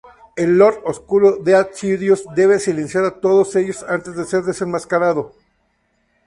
El Lord Oscuro Darth Sidious debe silenciar a todos ellos antes de ser desenmascarado.